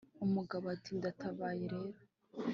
umugabo ati"ndatabaye rero